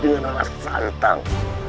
dengan rara santang